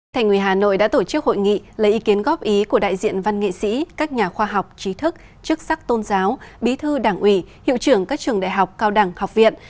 thành ủy hà nội đã tổ chức hội nghị lấy ý kiến góp ý của đại diện văn nghệ sĩ các nhà khoa học trí thức chức sắc tôn giáo bí thư đảng ủy hiệu trưởng các trường đại học cao đẳng học viện